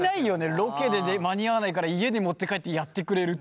ロケで間に合わないから家に持って帰ってやってくれるって。